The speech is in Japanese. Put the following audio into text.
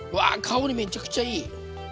香りめちゃくちゃいい。